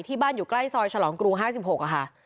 บ้านอยู่ใกล้ซอยฉลองกรุง๕๖ค่ะ